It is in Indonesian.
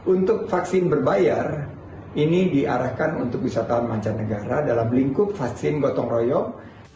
untuk vaksin berbayar ini diarahkan untuk wisata mancanegara dalam lingkup vaksin gotong royong